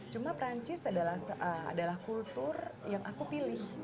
cuma perancis adalah kultur yang aku pilih